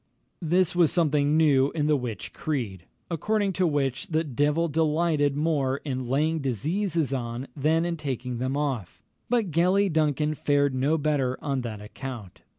This was something new in the witch creed, according to which, the devil delighted more in laying diseases on than in taking them off; but Gellie Duncan fared no better on that account.